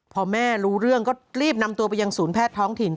พอแม่รู้เรื่องก็รีบนำตัวไปยังศูนย์แพทย์ท้องถิ่น